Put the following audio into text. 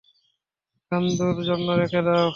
নান্দুর জন্য রেখে দাও।